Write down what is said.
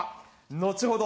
後ほど